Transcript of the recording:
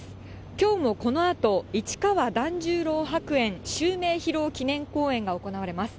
きょうもこのあと、市川團十郎白猿襲名披露記念公演が行われます。